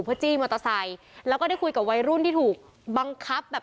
เพื่อจี้มอเตอร์ไซค์แล้วก็ได้คุยกับวัยรุ่นที่ถูกบังคับแบบ